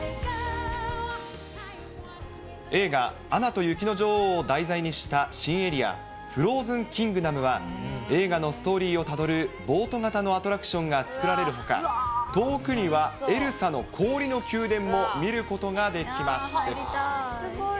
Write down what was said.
映画、アナと雪の女王を題材にした新エリア、フローズンキングダムは、映画のストーリーをたどるボート型のアトラクションが作られるほか、遠くにはエルサの氷の宮殿も見る入りたい。